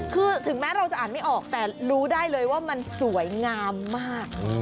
คือถึงแม้เราจะอ่านไม่ออกแต่รู้ได้เลยว่ามันสวยงามมาก